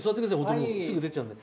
すぐ出ちゃうんで。